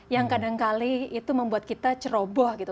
yang kadangkali itu membuat kita ceroboh gitu